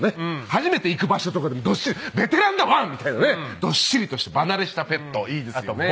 初めて行く場所とかでもどっしりベテランだワンみたいなねどっしりとした場慣れしたペットいいですよね。